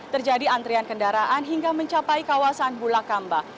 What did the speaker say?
terjadi antrian kendaraan hingga mencapai kawasan bulakamba